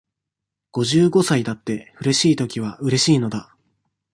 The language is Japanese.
五十五歳だって、うれしいときはうれしいのだ。